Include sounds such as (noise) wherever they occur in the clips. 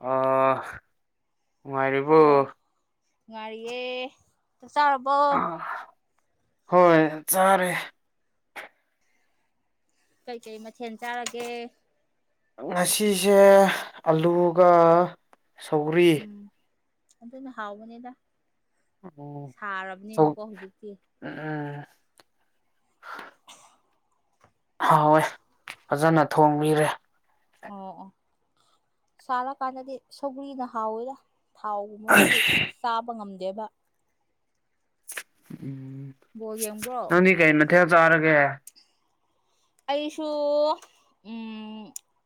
ꯑ ꯍꯜꯂꯣ ꯅꯨꯡꯉꯥꯏꯔꯤꯕꯣ ꯉ ꯉꯥꯏꯔꯤꯌꯦ ꯆꯞ ꯆꯥꯔꯕꯣ ꯍꯣꯏ ꯆꯥꯔꯦ ꯀꯩ ꯀꯩ ꯃꯊꯦꯜ ꯆꯥꯔꯒꯦ ꯉꯁꯤꯁꯦ ꯑꯂꯨꯒ ꯁꯧꯒꯔꯤ ꯎ ꯑꯗꯨ ꯑꯗꯨꯅ ꯍꯥꯎꯅꯦꯗ ꯎꯝꯣ ꯍꯧꯖꯤꯛꯇꯤ ꯎꯝ (inaudible) ꯍꯥꯎꯋꯦ ꯐꯖꯅ ꯊꯣꯡꯕꯤꯔꯦ ꯑꯣ ꯑꯣ ꯆꯥꯔꯀꯥꯟꯗꯗꯤ ꯁꯧꯒ꯭ꯔꯤꯅ ꯍꯥꯎꯋꯤꯔ ꯊꯥꯎꯒꯨꯝꯕꯗꯨꯗꯤ ꯆꯥꯕ ꯉꯝꯗꯦꯕ ꯎꯝ ꯕꯣꯜ ꯌꯦꯡꯕ꯭ꯔꯣ ꯅꯪꯅꯤ ꯀꯩ ꯅꯊꯌꯥ ꯆꯔꯒꯦ (inaudible) ꯑꯩꯁꯨ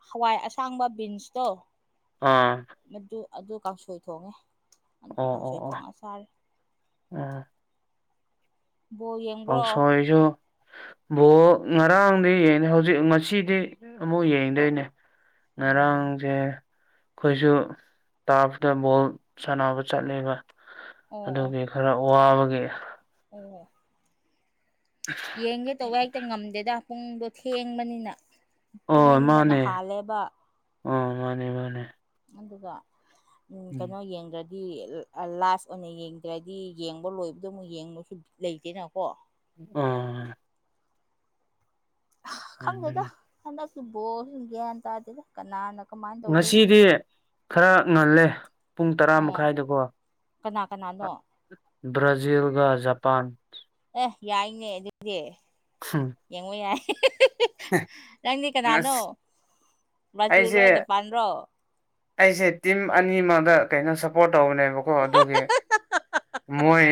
ꯍꯋꯥꯏ ꯑꯁꯥꯡꯕ ꯕꯤꯟꯁꯇꯣ ꯑꯥ ꯃꯗꯨ ꯑꯗꯨ ꯀꯥꯡꯁꯣꯏ ꯊꯣꯡꯉꯦ ꯑꯗꯨ ꯑꯣ ꯀꯥꯡꯁꯣꯏ ꯑꯣ ꯑꯣ ꯊꯣꯡꯉ ꯆꯥꯔꯦ ꯎꯝ ꯣ ꯌꯦ ꯄꯪꯁ ꯑꯩꯁꯨ ꯕꯣ ꯉꯔꯥꯡꯗꯤ ꯌꯦꯡ ꯍꯧꯖꯤꯛ ꯉꯁꯤꯗꯤ ꯑꯃꯨꯛ ꯌꯦꯡꯗꯣꯏꯅꯦ ꯎꯝ ꯉꯔꯥꯡꯁꯦ ꯑꯩꯈꯣꯏꯁꯨ ꯇꯥꯞꯇ ꯕꯣꯜ ꯁꯥꯟꯅꯕ ꯆꯠꯂꯦꯕ ꯑꯣ ꯑꯣ ꯑꯗꯨꯒꯤ ꯈꯔ ꯋꯥꯕꯒꯤ ꯑꯣ ꯌꯦꯡꯒꯦ ꯇꯧꯕ ꯍꯦꯛꯇ ꯉꯝꯗꯦꯗ ꯄꯨꯡꯗꯣ ꯊꯦꯡꯕꯅꯤꯅ ꯑꯣ ꯄꯨꯝꯅꯤꯡꯕꯅ ꯃꯥꯅꯦ ꯍꯥꯜꯂꯦꯕ ꯑꯣ ꯃꯥꯅꯦ ꯃꯥꯅꯦ ꯑꯗꯨꯒ ꯎꯝ ꯀꯩꯅꯣ ꯌꯦꯡꯗ꯭ꯔꯗꯤ ꯍꯥꯏꯗꯤ ꯂꯥꯁ ꯑꯣꯏꯅ ꯌꯦꯡꯗ꯭ꯔꯗꯤ ꯌꯦꯡꯕ ꯂꯣꯏꯕꯗꯣ ꯑꯃꯨꯛ ꯌꯦꯡꯕꯁꯨ ꯂꯩꯇꯦꯅꯀꯣ ꯑꯝ ꯈꯪꯗꯦꯗ ꯑꯗꯨꯅꯦ ꯍꯟꯗꯛꯀꯤ ꯕꯣꯜꯁ ꯒ꯭ꯌꯥꯟ ꯇꯥꯗꯦꯗ ꯀꯅꯥꯅ ꯀꯃꯥꯏꯅ ꯇꯧꯗꯣꯏꯅꯣ ꯉꯁꯤꯗꯤ ꯈꯔ ꯉꯜꯂꯦ ꯄꯨꯡ ꯇꯔꯥ ꯑꯣ ꯃꯈꯥꯏꯗꯀꯣ ꯀꯅꯥ ꯀꯅꯥꯅꯣ ꯕ꯭ꯔꯥꯖꯤꯜꯒ ꯖꯄꯥꯟ ꯑꯦ ꯌꯥꯏꯅꯦ ꯑꯗꯨꯗꯤ ꯎꯝ ꯌꯦꯡꯉꯣ ꯌꯥꯏ ꯅꯪꯗꯤ ꯀꯅꯥꯅꯣ ꯑꯁ ꯕ꯭ꯔꯥꯖꯤꯜ ꯔꯣ ꯑꯩꯁꯦ ꯖꯄꯥꯟꯔꯣ ꯑꯩꯁꯦ ꯇꯤꯝ ꯑꯅꯤꯃꯗ ꯀꯩꯅꯣ ꯁꯞꯄꯣꯔꯠ ꯇꯧꯕꯅꯦꯕꯀꯣ ꯀꯣ ꯑꯗꯨꯒꯤ ꯃꯣꯏ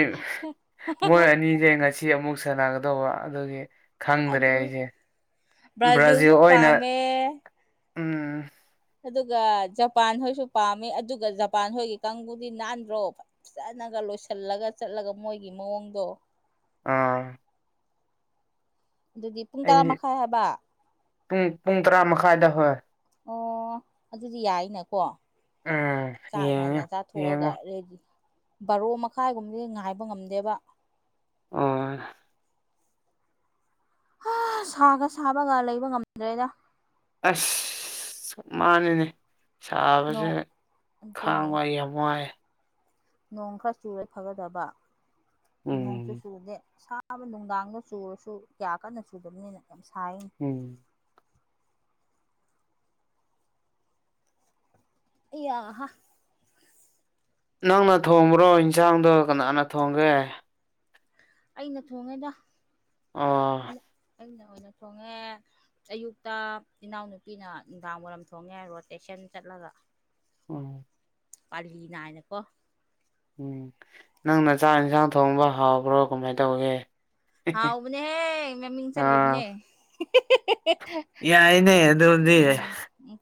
ꯃꯣꯏ ꯑꯅꯤꯁꯦ ꯉꯁꯤ ꯑꯁꯤ ꯑꯃꯨꯛ ꯁꯥꯟꯅꯒꯗꯧꯕ ꯑꯗꯨꯒꯤ ꯈꯪꯗ꯭ꯔꯦ ꯑꯩꯁꯦ ꯕ꯭ꯔꯥꯖꯤꯜ ꯭ꯕꯔꯥꯖꯤꯜꯁꯨ ꯑꯣꯏꯅ ꯄꯥꯝꯃꯦ ꯎꯝ ꯑꯗꯨꯒ ꯖꯄꯥꯟ ꯍꯣꯏꯁꯨ ꯄꯥꯝꯃꯤ ꯑꯗꯨꯒ ꯖꯄꯥꯟ ꯍꯣꯏꯒꯤ ꯀꯥꯡꯕꯨꯗꯤ ꯅꯥꯟꯗ꯭ꯔꯣꯕ ꯆꯅꯒ ꯂꯣꯏꯁꯤꯜꯂꯒ ꯆꯠꯂꯒ ꯃꯣꯏꯒꯤ ꯃꯑꯣꯡꯗꯣ ꯑꯥ ꯑꯗꯨꯗꯤ ꯄꯨꯡ ꯇꯔꯥ ꯑꯩ ꯃꯈꯥꯏ ꯍꯥꯏꯕ ꯄꯨꯡ ꯄꯨꯡ ꯇꯔꯥ ꯃꯈꯥꯏꯗ ꯍꯣꯏ ꯑꯣ ꯑꯗꯨꯗꯤ ꯌꯥꯏꯅꯀꯣ ꯎꯝ ꯌꯦꯡꯉꯦ ꯆꯥꯛꯀꯥꯟꯗ ꯆꯥꯊꯣꯛꯑꯒ ꯌꯦꯡꯉꯣ ꯔꯦꯗꯤ ꯕꯥꯔꯣ ꯃꯈꯥꯏꯒꯨꯝꯕꯗꯤ ꯉꯥꯏꯕ ꯉꯝꯗꯦꯕ ꯑꯝ ꯁꯥꯒ ꯁꯥꯕꯒ ꯂꯩꯕ ꯉꯝꯗ꯭ꯔꯦꯗ ꯑꯁ ꯃꯥꯅꯤꯅꯦ ꯁꯥꯕꯁꯦ ꯅꯣꯡ ꯑꯗꯨꯅꯦ ꯈꯥꯡꯕꯏ ꯌꯥꯝ ꯋꯥꯏ ꯅꯣꯡ ꯈꯔ ꯆꯨꯔꯦ ꯐꯒꯗꯕ ꯅꯣꯡꯁꯨꯨ ꯎꯝ ꯆꯨꯗꯦ ꯑꯥꯕ ꯅꯨꯡꯗꯥꯡꯗ ꯆꯨꯔꯁꯨ ꯀꯌꯥ ꯀꯟꯅ ꯆꯨꯗꯕꯅꯤꯅ ꯌꯥꯝ ꯁꯥꯏꯅ ꯎꯝ ꯑ ꯑꯍꯥ (inaudible) ꯅꯪꯅ ꯊꯣꯡꯕ꯭ꯔꯣ ꯏꯟꯁꯥꯡꯗꯣ ꯀꯅꯥꯅ ꯊꯣꯡꯒꯦ ꯑꯩꯅ ꯊꯣꯡꯉꯦꯗ ꯑꯣ ꯑꯩꯅ ꯑꯣ ꯊꯣꯡꯉꯦ ꯑꯌꯨꯛꯇ ꯏꯅꯥꯎꯅꯨꯄꯤꯅ ꯅꯨꯡꯗꯥꯡ ꯋꯥꯏꯔꯝ ꯊꯣꯡꯉꯦ ꯔꯣ ꯇꯇꯦꯁꯟ ꯆꯠꯂꯒ ꯎꯝ ꯄꯥꯂꯤꯅ ꯍꯥꯏꯅꯀꯣ ꯎꯝ ꯅꯪꯅ ꯆꯥꯛ ꯌꯦꯟꯁꯥꯡ ꯊꯣꯡꯕ ꯍꯥꯎꯕ꯭ꯔꯣ ꯀꯃꯥꯏ ꯇꯧꯒꯦ ꯍꯥꯎꯕꯅꯦꯍꯦ ꯃꯃꯤꯡ ꯑꯥ ꯆꯠꯂꯤꯕꯅꯦ ꯌꯥꯏꯅꯦ ꯑꯗꯨꯗꯤ ꯎꯝ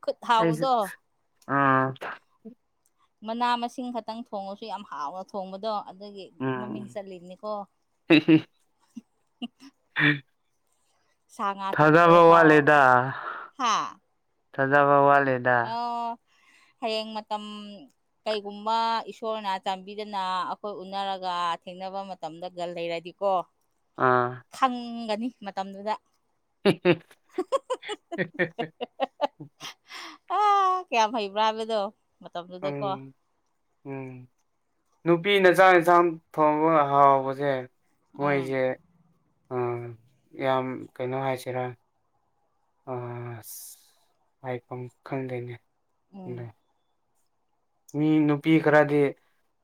ꯈꯨꯠ ꯑꯩꯁꯨ ꯍꯥꯎꯕꯗꯣ ꯑꯥ ꯃꯅꯥ ꯃꯁꯤꯡ ꯈꯛꯇꯪ ꯊꯣꯡꯉꯁꯨ ꯌꯥꯝ ꯍꯥꯎꯅ ꯊꯣꯡꯕꯗꯣ ꯑꯗꯨꯒꯤ ꯃꯃꯤꯡ ꯎꯝ ꯆꯠꯂꯤꯅꯤꯀꯣ ꯎꯝ (inaudible) ꯊꯥꯖꯕ ꯊꯣꯡꯕꯗꯩ ꯐꯥꯎ ꯋꯥꯠꯂꯦꯗ ꯊꯥꯖꯕ ꯋꯥꯠꯂꯦꯗ ꯑ ꯍꯌꯦꯡ ꯃꯇꯝ ꯀꯩꯒꯨꯝꯕ ꯏꯁꯣꯔꯅ ꯆꯥꯟꯕꯤꯗꯅ ꯑꯩꯈꯣꯏ ꯎꯅꯔꯒ ꯊꯦꯡꯅꯕ ꯃꯇꯝꯗ ꯒ ꯂꯩꯔꯗꯤꯀꯣ ꯑꯥ ꯈꯪꯒꯅꯤ ꯃꯇꯝꯗꯨꯗ (unintelligible) ꯑꯥ ꯀꯌꯥꯝ ꯍꯩꯕ꯭ꯔꯥ ꯍꯥꯏꯕꯗꯣ ꯃꯇꯝꯗꯨꯗꯀꯣ ꯎꯝ ꯎꯝ ꯅꯨꯄꯤꯅ ꯆꯥꯛ ꯌꯦꯟꯁꯥꯡ ꯊꯣꯡꯕ ꯍꯥꯎꯕꯁꯦ ꯎꯝ ꯃꯣꯏꯁꯦ ꯎꯝ ꯌꯥꯝ ꯀꯩꯅꯣ ꯍꯥꯏꯁꯤꯔꯥ ꯑꯁ ꯍꯥꯏꯐꯝ ꯈꯪꯗꯦꯅꯦ ꯎꯝ ꯑꯗꯣ ꯃꯤ ꯅꯨꯄꯤ ꯈꯔꯗꯤ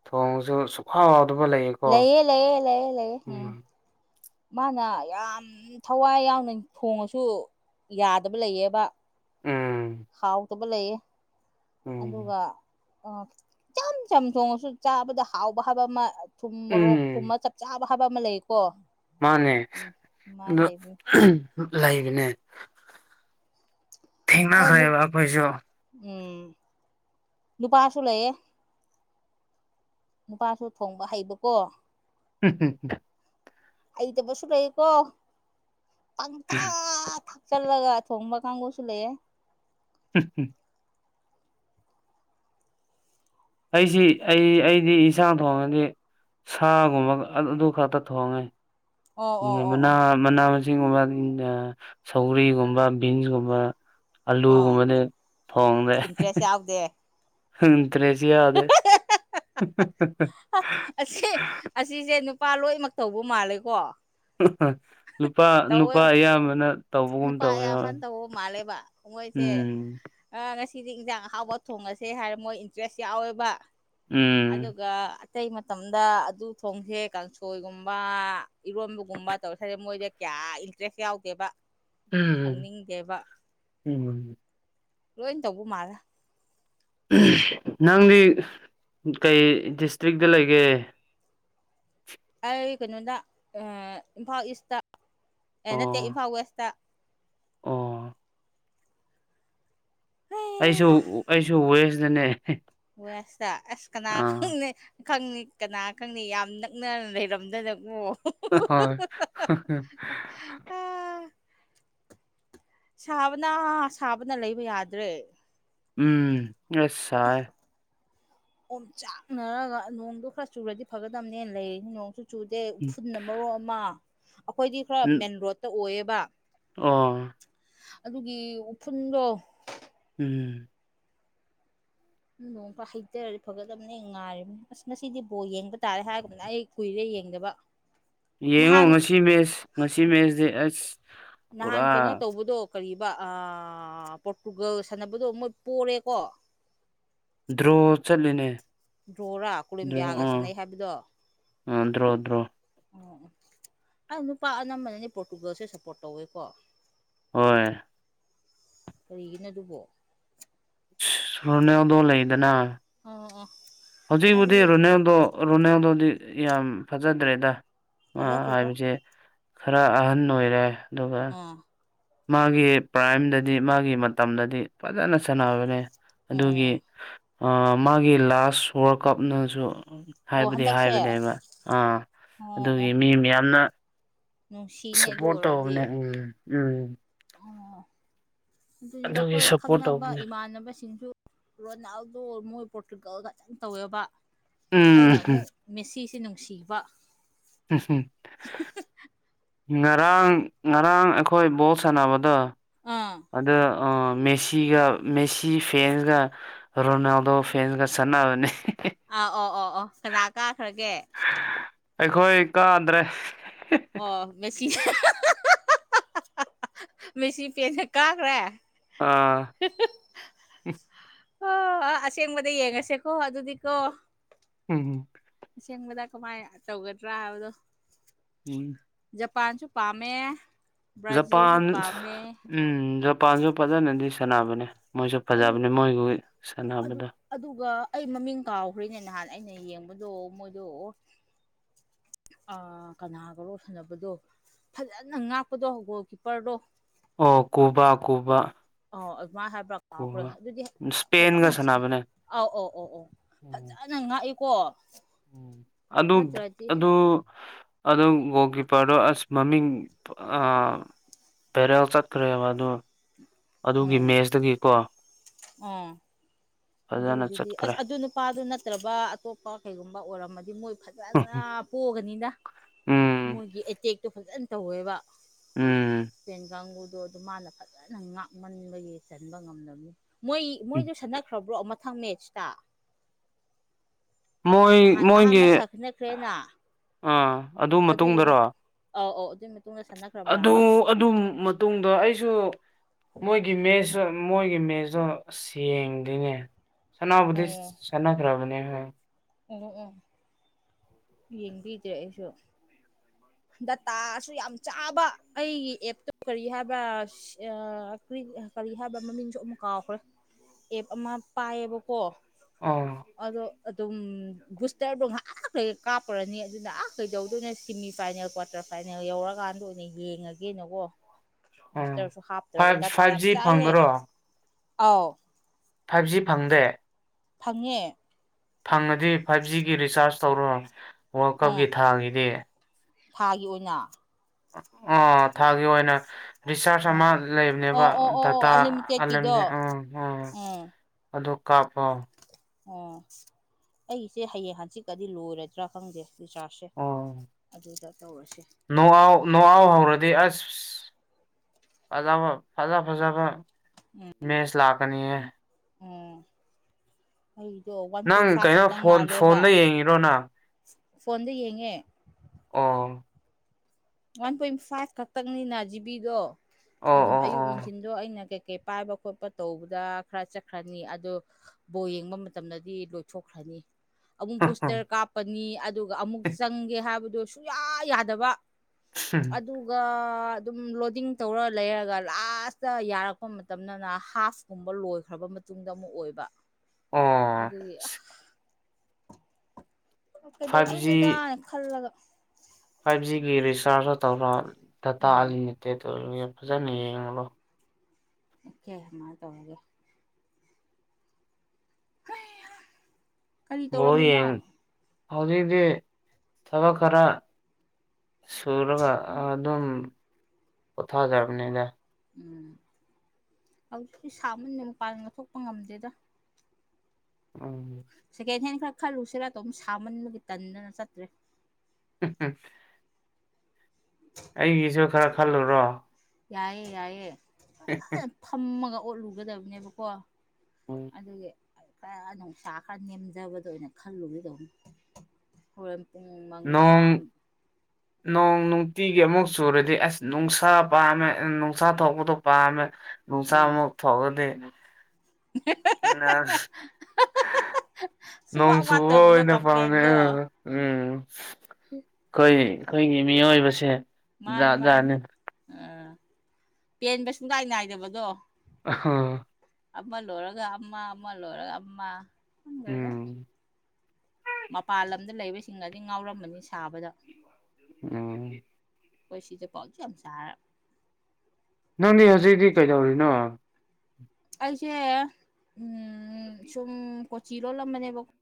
ꯊꯣꯡꯉꯁꯨ ꯍꯥꯎꯗꯕ ꯂꯩꯌꯦ ꯂꯩꯌꯦ ꯂꯩꯌꯦ ꯂꯩꯌꯦ ꯂꯩꯌꯦ ꯎꯝ ꯃꯥꯅ ꯌꯥꯝ ꯊꯋꯥꯏ ꯌꯥꯎꯅ ꯊꯣꯡꯉꯁꯨ ꯌꯥꯗꯕ ꯂꯩꯌꯦꯕ ꯎꯝ ꯍꯥꯎꯇꯕ ꯂꯩꯌꯦ ꯎꯝ ꯑꯗꯨꯒ ꯆꯝ ꯆꯝ ꯊꯣꯡꯉꯁꯨ ꯆꯥꯕꯗ ꯍꯥꯎꯕ ꯍꯥꯏꯕ ꯑꯃ ꯊꯨꯝ ꯃꯣꯔꯣꯛ ꯀꯨꯝꯕ ꯎꯝ ꯆꯞ- ꯆꯥꯕ ꯍꯥꯏꯕ ꯑꯃ ꯂꯩꯌꯦꯀꯣ ꯃꯥꯅꯦ ꯑꯗꯣ ꯂꯩꯕꯅꯦ ꯑꯗꯣ ꯅꯨ ꯊꯦꯡꯅꯈ꯭ꯔꯦꯕ ꯑꯩꯈꯣꯏꯁꯨ ꯎꯝ ꯅꯨꯄꯥꯁꯨ ꯂꯩꯌꯦ ꯅꯨꯄꯥꯁꯨ ꯊꯣꯡꯕ ꯍꯩꯕꯀꯣ (unintelligible) ꯍꯩꯇꯕꯁꯨ ꯂꯩꯀꯣ ꯄꯪꯊꯥ ꯊꯥ ꯆꯠꯂꯒ ꯊꯣꯡꯕ ꯀꯥꯡꯕꯨꯁꯨ ꯂꯩꯌꯦ (unintelligible) ꯑꯩꯁꯤ ꯑꯩ ꯑꯩꯗꯤ ꯏꯟꯁꯥꯡ ꯊꯣꯡꯉꯗꯤ ꯁꯥꯒꯨꯝꯕ ꯑꯗꯨ ꯈꯛꯇ ꯊꯣꯡꯉꯦ ꯑꯣ ꯑꯣ (unintelligible) ꯑꯣ ꯑꯣ ꯃꯅꯥ ꯃꯁꯤꯡꯒꯨꯝꯕ ꯁꯧꯒꯔꯤꯒꯨꯝꯕ ꯕꯤꯟꯁ ꯀꯨꯝꯕ ꯑꯂꯨꯒꯨꯝꯕꯗꯤ ꯊꯣꯡꯗꯦ ꯍꯧꯗꯦ ꯏꯟꯇꯔꯔꯦꯁ ꯌꯥꯎꯗꯦ ꯑꯁꯤ ꯑꯁꯤꯁꯦ ꯅꯨꯄꯥ ꯂꯣꯏꯃꯛ ꯇꯧꯕ ꯃꯥꯜꯂꯦꯀꯣ ꯅꯨꯄꯥ ꯇꯧꯋꯦ ꯅꯨꯄꯥ ꯑꯌꯥꯝꯕꯅ ꯇꯧꯕꯒꯨꯝ ꯅꯨꯄꯥ ꯇꯧꯋꯦ ꯍꯣꯏ ꯑꯌꯥꯝꯕꯅ ꯇꯧꯕ ꯃꯥꯜꯂꯦꯕ ꯃꯣꯏꯁꯦ ꯎꯝ ꯑꯥ ꯉꯁꯤꯗꯤ ꯏꯟꯖꯥꯡ ꯑꯍꯥꯎꯕ ꯊꯣꯡꯉꯁꯦ ꯍꯥꯏꯔ ꯃꯣꯏ ꯏꯟꯇꯔꯦꯁ ꯌꯥꯎꯋꯦꯕ ꯎꯝ ꯑꯗꯨꯒ ꯑꯇꯩ ꯃꯇꯝꯗ ꯑꯗꯨ ꯊꯣꯡꯁꯦ ꯀꯥꯡꯁꯣꯏꯒꯨꯝꯕ ꯏꯔꯣꯟꯕꯒꯨꯝꯕ ꯇꯧꯊꯔꯦ ꯃꯣꯏꯁꯦ ꯀꯌꯥ ꯏꯟꯇꯔꯦꯁ ꯌꯥꯎꯗꯦꯕ ꯎꯝ ꯊꯣꯡꯅꯤꯡꯗꯦꯕ ꯎꯝ ꯂꯣꯏ ꯇꯧꯕ ꯃꯥꯜꯂꯦ ꯅꯪꯗꯤ ꯀꯩ ꯗꯤꯁꯇ꯭ꯔꯤꯛꯇ ꯂꯩꯒꯦ ꯑꯩ ꯀꯩꯅꯣꯗ ꯏꯝꯐꯥꯜ ꯏꯁꯇ ꯑꯦ ꯅꯠꯇꯦ ꯑꯣ ꯏꯝꯐꯥꯜ ꯋꯦꯁꯇ ꯑꯣ ꯑꯩꯁꯨ ꯑꯩꯁꯨ ꯋꯦꯁꯗꯅꯦ ꯋꯦꯁꯇ ꯑꯁ ꯀꯅꯥ ꯈꯪ ꯅꯤ ꯈꯪꯅꯤ ꯀꯅꯥ ꯈꯪꯅꯤ ꯌꯥꯝ ꯅꯛꯅ ꯂꯩꯔꯝꯗꯅꯀꯣ ꯍꯣꯏ ꯍꯥ ꯑꯥ ꯁꯥꯕꯅ ꯁꯥꯕꯅ ꯂꯩꯕ ꯌꯥꯗ꯭ꯔꯦ ꯎꯝ ꯑꯁ ꯁꯥꯏ ꯑꯣꯝ ꯆꯥꯛꯅꯔꯒ ꯅꯣꯡꯗꯣ ꯈꯔ ꯆꯨꯔꯗꯤ ꯐꯒꯗꯝꯅꯦ ꯂꯩꯔꯤꯅꯤ ꯅꯣꯡꯁꯨ ꯆꯨꯗꯦ ꯎꯐꯨꯟꯅ ꯃꯔꯣꯜ ꯑꯃ ꯑꯩꯈꯣꯏꯗꯤ ꯈꯔ ꯃꯦꯟ ꯔꯣꯗꯠꯇ ꯑꯣꯏꯌꯦꯕ ꯑꯣ ꯑꯗꯨꯒꯤ ꯎꯐꯨꯜꯗꯣ ꯎꯝ ꯅꯣꯡ ꯍꯩꯇꯔꯗꯤ ꯐꯒꯠꯂꯕꯅꯦ ꯉꯥꯏꯔꯤꯕꯅꯤ ꯑꯁ ꯃꯁꯤꯁꯤꯗꯤ ꯕꯣꯜ ꯌꯦꯡꯕ ꯇꯥꯔꯦ ꯍꯥꯏꯔꯒꯅ ꯑꯩ ꯀꯨꯏꯔꯦ ꯌꯦꯡꯗꯕ (unintelligible) ꯌꯦꯡꯉꯣ ꯉꯁꯤ ꯃꯦꯁ ꯉꯁꯤ ꯃꯦꯁꯁ ꯑꯁ ꯅꯍꯥꯟ ꯀꯩꯅꯣ ꯄꯨꯔꯥ ꯇꯧꯕꯗꯣ ꯀꯔꯤꯕ ꯄꯣꯔꯇꯨꯒꯜ ꯁꯥꯟꯅꯕꯗꯣ ꯃꯣꯏ ꯄꯣꯔꯦꯀꯣ ꯗ꯭ꯔꯣ ꯆꯠꯂꯤꯅꯦ ꯗ꯭ꯔꯣꯔꯥ ꯗ꯭ꯔꯣ ꯀꯨꯂꯤꯝꯌꯥꯒ ꯑꯥ ꯁꯥꯟꯅꯩ ꯍꯥꯏꯕꯗꯣ ꯑꯥ ꯗ꯭ꯔꯣ ꯗ꯭ꯔꯣ ꯍꯥꯏ ꯅꯨꯄꯥ ꯑꯅꯝꯕꯅꯅꯤ ꯄꯣꯔꯇꯨꯒꯜꯁꯦ ꯁꯞꯄꯣꯔꯠ ꯇꯧꯋꯦꯀꯣ ꯍꯣꯏ ꯀꯔꯤꯒꯤꯅꯣ ꯑꯗꯨꯕꯣ ꯁꯣꯅꯕ ꯂꯩꯗꯅ ꯑꯣ ꯑꯣ ꯍꯧꯖꯤꯛꯕꯨꯗꯤ ꯑꯩ ꯔꯣꯅꯦꯜꯗꯣ ꯔꯣꯅꯦꯜꯗꯣꯗꯤ ꯌꯥꯝ ꯐꯖꯗ꯭ꯔꯦꯗ ꯑ ꯐꯖꯗꯦꯗ ꯍꯥꯏꯕꯁꯦ ꯈꯔ ꯑꯍꯟ ꯑꯣꯏꯔꯦ ꯑꯗꯨꯒ ꯑꯥ ꯃꯥꯒꯤ ꯄ꯭ꯔꯥꯏꯝꯗꯗꯤ ꯃꯥꯒꯤ ꯃꯇꯝꯗꯗꯤ ꯐꯖꯅ ꯁꯥꯟꯅꯕꯅꯦ ꯑꯗꯨꯒꯤ ꯑꯣ ꯃꯥꯒꯤ ꯂꯥꯁ ꯋꯥꯔꯜ ꯀꯞꯅꯁꯨ ꯑꯣ ꯍꯥꯏꯕꯗꯤ ꯍꯟꯗꯛꯁꯦ ꯍꯥꯏꯕꯅꯦꯕ ꯑꯥ ꯑꯣ ꯑꯗꯨꯒꯤ ꯑꯣ ꯃꯤ ꯃꯌꯥꯝꯅ ꯅꯨꯡꯁꯤꯅꯦ ꯑꯗꯨ ꯁꯄꯣꯔꯠ ꯇꯧ ꯎꯝ ꯑꯣꯏꯔꯗꯤ ꯎꯝ ꯑꯗꯨ ꯑꯗꯨꯒꯤ ꯑꯩꯈꯣꯏ ꯁꯞꯄꯣꯔꯠ ꯈꯪꯅꯕ ꯇꯧꯕꯅꯦ ꯏꯃꯥꯟꯅꯕꯁꯤꯡꯁꯨ ꯔꯣꯅꯥꯜꯗꯣ ꯃꯣꯏ ꯄꯣꯔꯇꯨꯒꯥꯜ ꯈꯛꯇꯪ ꯇꯧꯋꯦꯕ ꯑꯩꯅ ꯎꯝ ꯑꯃꯨꯛ ꯃꯦꯁꯤꯁꯤ ꯅꯨꯡꯁꯤꯕ ꯎ ꯉꯔꯥꯡ ꯉꯔꯥꯡ ꯑꯩꯈꯣꯏ ꯕꯣꯜ ꯁꯥꯟꯅꯕꯗꯣ ꯑꯥ ꯑꯗ ꯑ ꯃꯦꯁꯤꯒ ꯃꯦꯁꯤ ꯐꯦꯟꯁꯒ ꯔꯣꯅꯗꯣ ꯐꯦꯦꯟꯒ ꯁꯅꯅꯤ ꯑ ꯑꯣ ꯑꯣ ꯑꯣ ꯀꯅꯥ ꯀꯥꯈ꯭ꯔꯒꯦ ꯑꯩꯈꯣꯏ ꯀꯥꯗ꯭ꯔꯦ ꯑꯣ ꯃꯦꯁꯤꯒꯤ ꯃꯦꯁꯤ ꯄꯦꯅꯦ ꯀꯥꯈ꯭ꯔꯦ ꯑꯥ ꯑꯣ ꯑꯁꯦꯡꯕꯗ ꯌꯦꯡꯉꯁꯦꯀꯣ ꯑꯗꯨꯗꯤꯀꯣ ꯎꯝ ꯑꯁꯦꯡꯕꯗ ꯀꯃꯥꯏꯅ ꯇꯧꯒꯗ꯭ꯔꯥ ꯍꯥꯏꯕꯗꯣ ꯑꯝ ꯖꯄꯥꯟꯁꯨ ꯄꯥꯝꯃꯦ ꯕ꯭ꯔꯥꯖꯤꯜꯁꯨ ꯖꯄꯥꯟ ꯄꯥꯝꯃꯦ ꯎꯝ ꯖꯄꯥꯟꯁꯨ ꯐꯖꯅꯗꯤ ꯁꯥꯟꯅꯕꯅꯦ ꯃꯣꯏꯁꯨ ꯑꯗꯨ ꯐꯖꯕꯅꯦ ꯃꯣꯏꯒꯤ ꯑꯗꯨ ꯁꯥꯟꯅꯕꯗ ꯑꯗꯨꯒ ꯑꯩ ꯃꯃꯤꯡ ꯀꯥꯎꯈ꯭ꯔꯔꯤꯅꯦ ꯅꯍꯥꯟ ꯑꯩꯅ ꯌꯦꯡꯕꯗꯣ ꯃꯣꯏꯗꯣ ꯑꯣ ꯑ ꯀꯅꯥꯒꯔꯣ ꯁꯥꯟꯅꯕꯗꯣ ꯐꯖꯅ ꯉꯥꯛꯄꯗꯣ ꯒꯣꯜ ꯀꯤꯞꯄꯔꯗꯣ ꯑꯣ ꯀꯣꯕ ꯀꯣꯕ ꯑꯣ ꯑꯗꯨꯃꯥꯏꯅ ꯍꯥꯏꯕ꯭ꯔꯥ ꯀꯥꯎꯈ꯭ꯔꯦ ꯑꯗꯨꯗꯤ ꯏꯁꯄꯦꯟꯒ ꯐꯖꯅ ꯁꯥꯟꯅꯕꯅꯦ ꯑꯧ ꯑꯧ ꯑꯧ ꯑꯧ ꯐꯖꯅ ꯉꯥꯛꯏꯀꯣ ꯎꯝ ꯑꯗꯨ ꯅꯠꯇ꯭ꯔꯗꯤ ꯑꯗꯨ ꯑꯗꯨ ꯒꯣꯜ ꯀꯤꯞꯄꯔꯗꯣ ꯑꯁ ꯃꯃꯤꯡ ꯑ ꯄꯦꯔꯦꯜ ꯆꯠꯈ꯭ꯔꯦꯕ ꯑꯗꯨ ꯑꯗꯨꯒꯤ ꯃꯦꯁꯇꯨꯒꯤ ꯀꯣ ꯑꯝ ꯑꯗꯨꯗꯨꯗꯤ ꯆꯠꯈ꯭ꯔꯦ ꯑꯁ ꯑꯗꯨ ꯅꯨꯄꯥꯗꯨ ꯅꯠꯇ꯭ꯔꯕ ꯑꯇꯣꯞꯄ ꯀꯩꯒꯨꯝꯕ ꯑꯣꯏꯔꯝꯃꯗꯤ ꯃꯣꯏ ꯐꯖꯅ ꯄꯣꯛꯑꯒꯅꯤꯅ ꯎꯝ ꯃꯣꯏꯒꯤ ꯑꯦꯇꯦꯛꯇꯣ ꯐꯖꯅ ꯇꯧꯋꯦꯕ ꯎꯝ ꯇꯦꯟ ꯀꯥꯡꯕꯨꯨꯗꯣ ꯑꯗꯨꯝ ꯃꯥꯅ ꯐꯖꯅ ꯉꯥꯛꯃꯟꯕꯒꯤ ꯆꯟꯕ ꯉꯝꯂꯝꯅꯤ ꯃꯣꯏ ꯃꯣꯏꯗꯨ ꯁꯥꯟꯅꯈ꯭ꯔꯕ꯭ꯔꯣ ꯃꯊꯪ ꯃꯦꯠꯁꯇ ꯃꯣꯏ ꯅꯍꯥꯟ ꯃꯣꯏꯒꯤ ꯑꯍꯥꯟꯕ ꯁꯥꯟꯅꯈ꯭ꯔꯦꯅ ꯑꯥ ꯑꯗꯨ ꯑꯗꯨꯒꯤ ꯃꯇꯨꯡꯗꯔꯣ ꯑꯧ ꯑꯧ ꯑꯗꯨꯒꯤ ꯃꯇꯨꯡꯗ ꯑꯗꯨ ꯁꯥꯟꯅꯈ꯭ꯔꯕ꯭ꯔꯕ ꯑꯗꯨ ꯃꯇꯨꯡꯗ ꯑꯩꯁꯨ ꯃꯣꯏꯒꯤ ꯃꯦꯁꯁꯨ ꯃꯣꯏꯒꯤ ꯃꯦꯁꯇꯣ ꯑꯁ ꯌꯦꯡꯗꯦꯅꯦ ꯁꯅꯥꯕꯗꯤ ꯑꯣ ꯁꯥꯟꯅꯥ ꯗꯔꯕꯅꯦꯕ ꯑꯣ ꯑꯣ ꯌꯦꯡꯕꯤꯗꯔꯦ ꯑꯩꯁꯨ ꯗꯇꯥꯁꯨ ꯌꯥꯝ ꯆꯥꯕ ꯑꯩꯒꯤ ꯑꯦꯞꯇꯨ ꯀꯔꯤ ꯍꯥꯏꯕꯔꯥ ꯑꯌꯥ ꯀ꯭ꯔꯤ ꯀꯔꯤ ꯍꯥꯏꯕ ꯃꯃꯤꯡꯁꯨ ꯑꯃꯨꯛ ꯀꯥꯎꯈ꯭ꯔꯦ ꯑꯦꯞ ꯑꯃ ꯄꯥꯏꯌꯦꯕꯀꯣ ꯑ ꯑꯗꯣ ꯑꯗꯨꯝ ꯕꯨꯁꯇꯔꯗꯣ ꯉꯍꯥꯛ ꯂꯩ ꯀꯥꯞꯈꯔꯅꯤ ꯑꯗꯨꯗ ꯑꯥ ꯀꯩꯗꯧꯗꯣꯏꯅꯣ ꯁꯤꯃꯤ ꯐꯥꯏꯅꯦꯜ ꯀ꯭ꯋꯥꯇꯔ ꯐꯥꯏꯅꯦꯜ ꯌꯧꯔꯀꯥꯟꯗ ꯑꯣꯏꯅ ꯌꯦꯡꯉꯒꯦꯅꯀꯣ ꯑꯥ ꯕꯨꯁꯇꯔꯁꯨ ꯍꯥꯞꯇ꯭ꯔꯕ ꯐꯥꯏꯚ ꯗꯥꯇꯥ ꯐꯥꯏꯚ ꯌꯥꯝ ꯖꯤ ꯆꯥꯏꯌꯦ ꯐꯪꯕꯔꯣ ꯑꯥꯎ ꯐꯥꯏꯕ ꯖꯤ ꯐꯪꯗꯦ ꯐꯪꯉꯦ ꯐꯪꯉꯗꯤ ꯐꯥꯏꯚ ꯖꯤꯒꯤ ꯔꯤꯆꯥꯔꯖ ꯇꯧꯔꯣ ꯋꯥꯔꯜ ꯎꯝ ꯀꯞꯀꯤ ꯊꯥꯡꯉꯤꯗꯤ ꯊꯥꯒꯤ ꯑꯣꯏꯅ ꯑ ꯊꯥꯒꯤ ꯑꯣꯏꯅ ꯔꯤꯆꯥꯔꯖ ꯑꯥ ꯑꯃ ꯂꯩꯕꯅꯦꯕ ꯑꯣ ꯑꯣ ꯑꯣ ꯗꯥꯇꯥ ꯑꯣ ꯑꯜꯂꯅꯦ ꯑꯟꯂꯤꯃꯤꯇꯦꯠꯀꯤꯗꯣ ꯑꯝ ꯑꯝ ꯎꯝ ꯑꯗꯨ ꯀꯥꯞꯄꯣ ꯑꯣ ꯑꯩꯁꯦ ꯍꯌꯦꯡ ꯍꯪꯆꯤꯛꯀꯗꯤ ꯂꯣꯏꯔꯗ꯭ꯔꯥ ꯈꯪꯗꯦ ꯔꯤꯆꯥꯔꯖꯁꯦ ꯑꯗꯨꯒ ꯇꯧꯔꯁꯦ ꯥꯑꯧ ꯅꯣꯛ ꯑꯥꯎ ꯍꯧꯔꯗꯤ ꯑꯁ ꯐꯖꯕ ꯐꯖ ꯐꯖꯕ ꯃꯦꯏꯁ ꯂꯥꯛꯀꯅꯤ ꯍꯥꯏ ꯎꯝ ꯑꯩꯗꯣ ꯋꯥꯟ ꯅꯪ ꯄꯣꯏꯟ ꯐꯥꯏꯚ ꯀꯩꯅꯣ ꯈꯛꯇꯪ ꯐꯣꯟ ꯃꯥꯜꯂꯦꯕ ꯐꯣꯟꯗ ꯌꯦꯡꯉꯤꯔꯣ ꯅꯪ ꯐꯣꯟꯗ ꯌꯦꯡꯉꯦ ꯑꯣ ꯋꯥꯟ ꯄꯣꯏꯟ ꯐꯥꯏꯚ ꯈꯛꯇꯪꯅꯤꯅ ꯖꯤꯕꯤꯗꯣ ꯑꯣ ꯑꯗꯨꯝ ꯑꯣ ꯑꯌꯨꯛ ꯑꯣ ꯅꯨꯡꯊꯤꯟꯗꯣ ꯑꯩꯅ ꯀꯩ ꯀꯩ ꯄꯥꯏꯕ ꯈꯣꯠꯄ ꯇꯧꯕꯗ ꯈꯔ ꯆꯠꯈ꯭ꯔꯅꯤ ꯑꯗꯣ ꯕꯣꯜ ꯌꯦꯡꯕ ꯃꯇꯝꯗꯗꯤ ꯂꯣꯏꯊꯣꯛꯈ꯭ꯔꯅꯤ ꯑꯃꯨꯛ ꯕꯨꯁꯇꯔ ꯀꯥꯞꯄꯅꯤ ꯑꯗꯨꯒ ꯑꯃꯨꯛ ꯆꯪꯒꯦ ꯍꯥꯏꯕꯗꯨꯣ ꯁꯨꯡꯌꯥ ꯌꯥꯗꯕ ꯑꯗꯨ ꯑꯗꯨꯒ ꯑꯗꯨꯝ ꯂꯣꯗꯤꯡ ꯇꯧꯔ ꯂꯩꯔꯒ ꯂꯥꯁꯇ ꯌꯥꯔꯛꯄ ꯃꯇꯝꯗꯅ ꯍꯥꯐ ꯨꯀꯨꯝꯕ ꯂꯣꯏꯈ꯭ꯔꯕ ꯃꯇꯨꯡꯗ ꯑꯃꯨꯛ ꯑꯣꯏꯕ ꯑꯣ ꯑꯗꯨꯒꯤ ꯑꯥꯍ ꯐꯥꯏꯚ ꯖꯤ ꯀꯩꯗꯧꯗꯣꯏꯅꯣꯗꯥꯅ ꯈꯜꯂꯒ ꯐꯥꯏꯚ ꯖꯤꯒꯤ ꯔꯤꯆꯥꯔꯖꯇ ꯇꯧꯔꯣ ꯗꯇꯥ ꯎꯝ ꯑꯂꯤꯃꯤꯇꯦꯠ ꯇꯨ ꯑꯗꯨ ꯐꯖꯅ ꯌꯦꯉꯨꯔꯣ ꯑꯣꯀꯦ ꯑꯃꯥꯢ ꯇꯧꯔꯒꯦ ꯀꯔꯤ ꯍꯣ ꯌꯦꯟ ꯇꯧꯔꯝꯃꯤꯅꯣ ꯍꯧꯖꯤꯗꯤ ꯊꯕꯛ ꯈꯔ ꯁꯨꯔꯒ ꯑꯗꯨꯝ ꯄꯣꯊꯥꯖꯔꯕꯅꯤꯗ ꯎꯝ ꯍꯧꯛꯇꯤ ꯁꯥꯕꯅꯦ ꯃꯨꯄꯥꯟ ꯂꯧꯊꯣꯛꯄ ꯉꯝꯗꯦꯗ ꯎꯝ ꯁꯦꯀꯦꯟ ꯍꯦꯟ ꯈꯔ ꯈꯜꯂꯨꯁꯤꯔ ꯑꯗꯨꯣꯝ ꯁꯥꯃꯟꯕꯒꯤ ꯇꯟꯗꯅ ꯆꯠꯇ꯭ꯔꯦ ꯎꯝ ꯎꯝ ꯑꯩꯒꯤꯁꯨ ꯈꯔ ꯈꯜꯂꯨꯔꯣ ꯌꯥꯏꯌꯦ ꯌꯥꯏꯑꯌꯦ ꯎꯝ ꯎꯝ ꯐꯝꯃꯒ ꯑꯣꯠꯂꯨꯒꯗꯕꯅꯦꯕꯀꯣ ꯍꯣꯏ ꯑꯗꯨꯒꯤ ꯈꯔ ꯅꯨꯡꯁꯥ ꯈꯔ ꯅꯦꯝꯖꯕꯗ ꯑꯣꯏꯅ ꯈꯜꯂꯨꯒꯗꯧꯅꯤ ꯐꯣꯔꯦꯟ ꯄꯨꯡ ꯃꯉꯥ ꯅꯣꯡ ꯅꯣꯡ ꯅꯨꯡꯇꯤꯒꯤ ꯑꯃꯨꯛ ꯆꯨꯔꯗꯤ ꯑꯁ ꯅꯨꯡꯁꯥ ꯄꯥꯝꯃꯦ ꯅꯨꯡꯁꯥ ꯊꯣꯛꯄꯗꯣ ꯄꯥꯝꯃꯦ ꯅꯨꯡꯁꯥ ꯎꯝ ꯑꯃꯨꯛ ꯐꯒꯗꯦ ꯅꯣꯡ ꯁꯨꯡꯋꯥꯠ ꯆꯨꯕ ꯋꯥꯠꯇꯕꯗꯣ ꯑꯣꯏꯅ ꯄꯥꯝꯃꯦ ꯀꯝꯄ꯭ꯂꯦꯟꯗꯣ ꯎꯝ ꯑꯩꯈꯣꯏ ꯑꯩꯈꯣꯏꯒꯤ ꯃꯤꯑꯣꯏꯕꯁꯦ ꯃꯥꯅꯤ ꯖꯥꯠ ꯃꯥꯅꯤ ꯖꯥꯠꯅꯤ ꯑꯥ ꯄꯦꯟꯕ ꯁꯨꯡꯅꯥꯏ ꯅꯥꯏꯗꯕꯗꯣ ꯑꯍ ꯑꯃ ꯂꯣꯏꯔꯒ ꯑꯃꯝ ꯑꯃ ꯂꯣꯏꯔꯒ ꯑꯃꯝ ꯀꯗ ꯎꯝ ꯎꯝ ꯃꯄꯥꯟ ꯂꯝꯗ ꯂꯩꯕꯁꯤꯡ ꯑꯗꯨꯗꯤ ꯉꯥꯎꯔꯝꯕꯅꯤ ꯁꯥꯕꯗ ꯎꯝ ꯑꯩꯈꯣꯏ ꯁꯤꯁꯦ ꯄꯥꯎꯁꯦ ꯌꯥꯝ ꯆꯥꯔ ꯅꯪꯗꯤ ꯍꯧꯖꯤꯛꯗꯤ ꯀꯩꯗꯧꯔꯤꯅꯣ ꯑꯩꯁꯦ ꯁꯨꯝ ꯀꯣꯆꯤ ꯂꯣꯜꯂꯝꯝꯕꯅꯦꯕꯣ